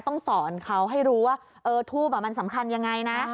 ต้องสอนเขาให้รู้ว่าทูปมันสำคัญยังไงนะ